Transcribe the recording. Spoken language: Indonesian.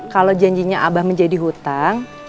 kalau janjinya abah menjadi hutang